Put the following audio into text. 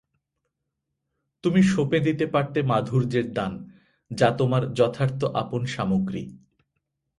তুমি সঁপে দিতে পারতে মাধুর্যের দান, যা তোমার যথার্থ আপন সামগ্রী।